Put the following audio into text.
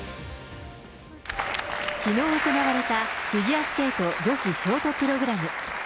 きのう行われたフィギュアスケート女子ショートプログラム。